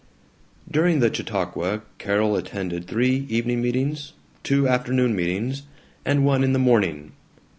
During the Chautauqua Carol attended three evening meetings, two afternoon meetings, and one in the morning.